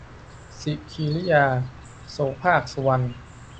สิคีริยา - โสภาค สุวรรณ